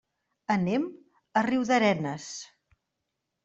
Anem a Riudarenes.